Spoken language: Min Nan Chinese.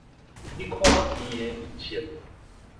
你看伊的面色